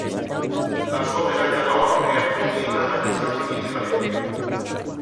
La sua medaglia d'oro è attribuita agli Stati Uniti d'America.